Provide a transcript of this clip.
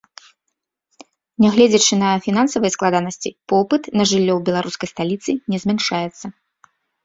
Нягледзячы на фінансавыя складанасці, попыт на жыллё ў беларускай сталіцы не змяншаецца.